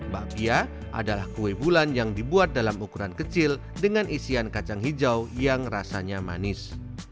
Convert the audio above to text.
bakpia adalah kue bulan yang dibuat dalam ukuran kecil dengan isian kacang hijau yang rasanya manis